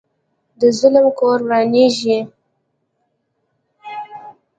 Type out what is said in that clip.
د ظالم کور ورانیږي